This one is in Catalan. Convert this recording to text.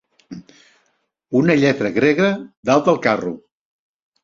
Una lletra grega dalt del carro.